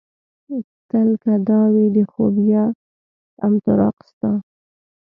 تل که دا وي د خوبيه طمطراق ستا